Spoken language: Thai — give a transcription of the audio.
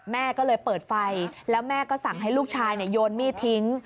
แม่ก็เลยเปิดไฟแล้วแม่ก็สั่งให้ลูกชายโยนมีดทิ้ง